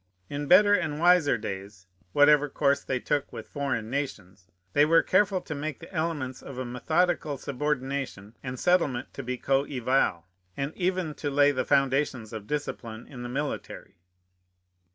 In better and wiser days (whatever course they took with foreign nations) they were careful to make the elements of a methodical subordination and settlement to be coeval, and even to lay the foundations of discipline in the military.